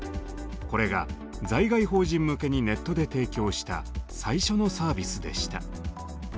これが在外邦人向けにネットで提供した最初のサービスでした。